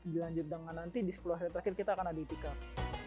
dilanjut dengan nanti di sepuluh hari terakhir kita akan ada itikaf